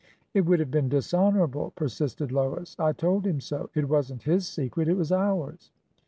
It would have been dishonorable," persisted Lois. I told him so. It was n't his secret. It was ours."